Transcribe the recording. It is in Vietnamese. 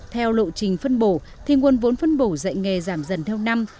theo lộ trình phân bổ thì nguồn vốn phân bổ dạy nghề giảm dần theo năm